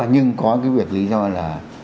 nhưng có cái việc lý do là